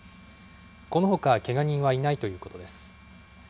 このほかけが人はいないということです。